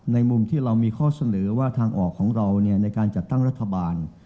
มุมที่เรามีข้อเสนอว่าทางออกของเราในการจัดตั้งรัฐบาล